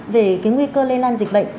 về nguy cơ lây lan dịch bệnh